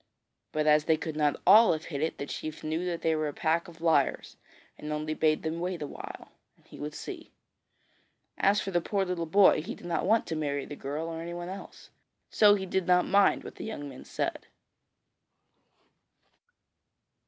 But as they could not all have hit it, the chief knew that they were a pack of liars and only bade them wait a while, and he would see. As for the poor little boy, he did not want to marry the girl or anyone else, so he did not mind what the young men said.